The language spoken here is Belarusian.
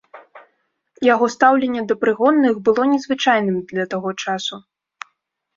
Яго стаўленне да прыгонных было незвычайным для таго часу.